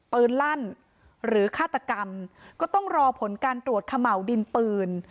ลั่นหรือฆาตกรรมก็ต้องรอผลการตรวจเขม่าวดินปืน